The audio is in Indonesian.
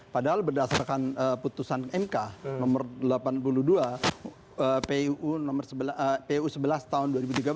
padahal berdasarkan putusan mk nomor delapan puluh dua pu sebelas tahun dua ribu tiga belas